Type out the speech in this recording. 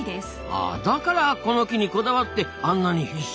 あだからこの木にこだわってあんなに必死だったんだ。